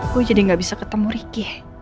gue jadi gak bisa ketemu ricky